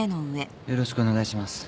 よろしくお願いします。